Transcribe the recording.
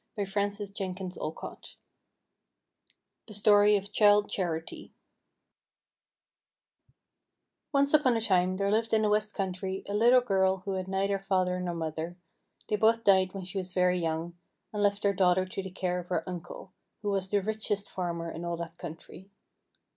Lydia Maria Child (Adapted) THE STORY OF CHILDE CHARITY Once upon a time there lived in the west country a little girl who had neither father nor mother; they both died when she was very young, and left their daughter to the care of her uncle, who was the richest farmer in all that country.